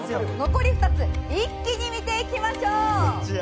残り２つ一気に見ていきましょう。